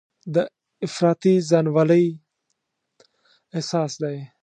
دا افراطي ځانولۍ احساس دی.